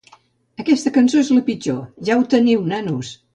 Aquesta cançó és la pitjor... Ja ho teniu, nanos!